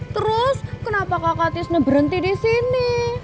terus kenapa kakak tisne berhenti di sini